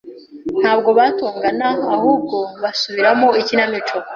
Ntabwo batongana, ahubwo basubiramo ikinamico.